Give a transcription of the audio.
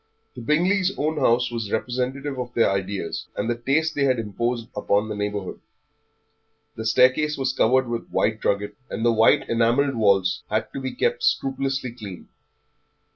The Bingleys' own house was representative of their ideas, and the taste they had imposed upon the neighbourhood. The staircase was covered with white drugget, and the white enamelled walls had to be kept scrupulously clean.